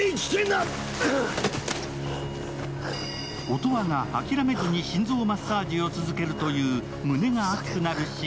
音羽が諦めずに心臓マッサージを続けるという、胸が熱くなるシー